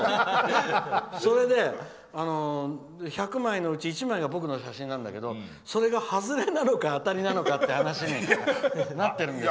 それで、１００枚のうち１枚が僕の写真なんだけどそれが外れなのか当たりなのかって話になってるんですよ。